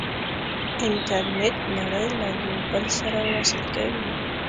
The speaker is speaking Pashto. انټرنیټ نړۍ له یو بل سره وصل کوي.